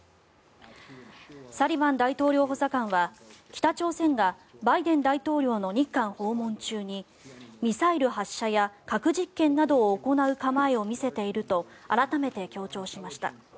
サリバン大統領補佐官は北朝鮮がバイデン大統領の日韓訪問中にミサイル発射や核実験などを行う構えを見せていると改めて強調しました。